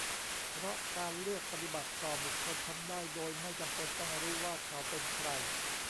เพราะการเลือกปฏิบัติต่อบุคคลทำได้โดยไม่จำเป็นต้องรู้ว่าเขาเป็น "ใคร"